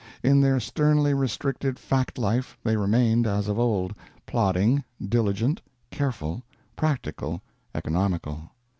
In their sternly restricted fact life they remained as of old plodding, diligent, careful, practical, economical.